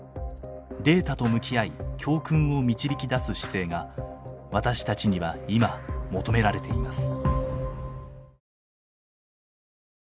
データと向き合い教訓を導き出す姿勢が私たちには今求められています。